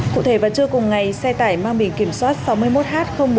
cụ thể vào trưa cùng ngày xe tải mang bình kiểm soát sáu mươi một h bốn nghìn bảy trăm linh sáu